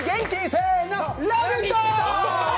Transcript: せーの、「ラヴィット！」！